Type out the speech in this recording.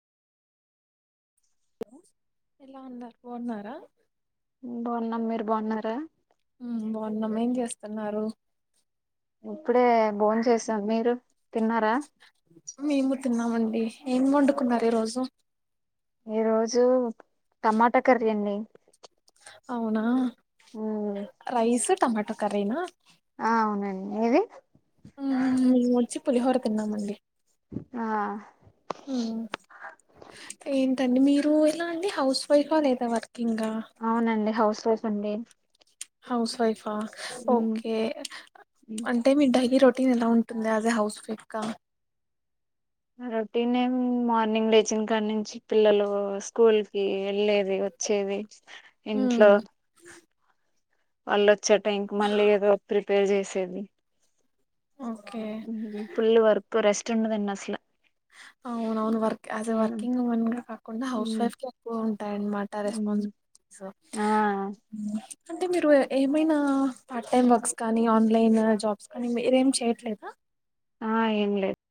ఎలా ఉన్నారు బావున్నారా బాన్నాం మీరు బాన్నారా హ్మ్ బాన్నాం ఏం జేస్తన్నారు ఇక్కడే బోన్ చేసాం మీరు తిన్నారా మేము తిన్నామండి ఏం వొండుకున్నారు ఈ రోజు ఈ రోజు టమాటా కర్రీ అండి అవునా ఉమ్, రైసు టమాటో కర్రీనా ఆ అవునండి మీది హ్మ్ మేమోచ్చి పులిహోర తిన్నామండి ఆ మ్ ఏంటండి మీరు ఎలా అండి హౌస్ వైఫా లేదా వ అవునండి హౌస్ వైఫ్ అండి. హౌస్ వైఫా ఉమ్, ఓకే ఉమ్. అంటే మీ డైలీ రొట్ [unintelligible] ఎలా ఉంటుందా అదే హౌస్ వైఫ్ కా రొటీన్ ఏం మార్నింగ్ లెచిన కాన్నించి పిల్లలు స్కూల్ కి వెళ్లే ది వచ్చేది ఉమ్ ఇంట్లో వాళ్ళోచ్చే టైమ్కి మళ్ళీ ఏదో ప్రిపేర్ చేసేది. ఓకే మ్ ఫుల్ వర్క్ రెస్ట్ ఉండదండి అసల అవునవున్ వర్క్ యాస్ ఏ వర్కింగ్ ఉమెన్గా కాకుండా హౌస్ ఉమ్, వైఫ్ కే ఎక్కువ ఉంటాయన్మాట ఉమ్. రెస్పాన్ స్ ఆ మ్ అంటే మీరు ఏమైనా పార్ట్ టైమ్ వర్క్స్ కానీ ఆన్లైన్ జాబ్స్ కానీ మీరేం చేయట్లేదా ఆ ఏం లేద్